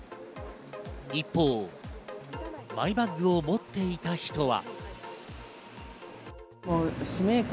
一方、マイバッグを持っていた人は。